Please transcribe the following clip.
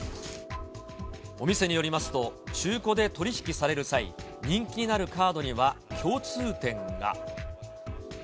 お店によりますと、中古で取り引きされる際、人気になるカードには共通点が。